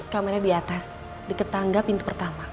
kamarnya di atas diketangga pintu pertama